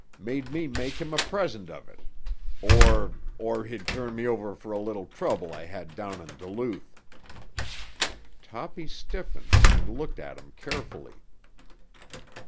Made me make him a present of it, or—or he'd turn me over for a little trouble I had down in Duluth." Toppy stiffened and looked at him carefully.